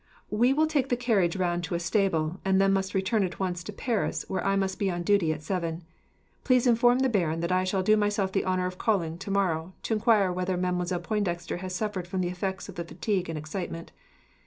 We will take the carriage round to a stable, and must then return at once to Paris, where I must be on duty at seven. Please inform the baron that I shall do myself the honour of calling, tomorrow, to enquire whether Mademoiselle Pointdexter has suffered from the effects of the fatigue and excitement.